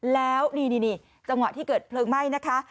แล้วนี่จังหวะที่เกิดเพลิงไหม้นะคะ